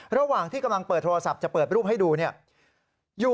ระหว่างที่กำลังเปิดโทรศัพท์จะเปิดรูปให้ดูเนี่ย